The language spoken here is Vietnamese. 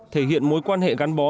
thể hiện mối quan hệ gắn bó